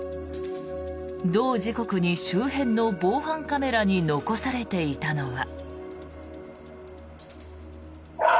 同時刻に周辺の防犯カメラに残されていたのは。